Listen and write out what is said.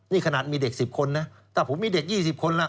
นี่ขนาดมีเด็กสิบคนนะถ้าผมมีเด็กยี่สิบคนละ